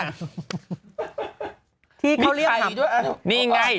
มีใครด้วยนี่ไง